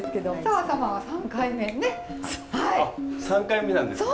あ３回目なんですか。